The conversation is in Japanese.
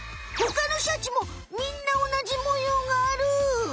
ほかのシャチもみんなおなじもようがある。